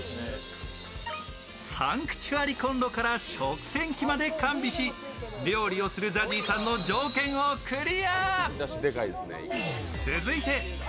サンクチュアリこんろから食洗機まで完備し、料理をするＺＡＺＹさんの条件をクリア。